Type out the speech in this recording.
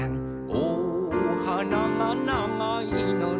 「おはながながいのね」